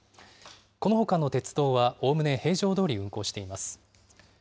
このほかの鉄道はおおむね平常どおり運行しています。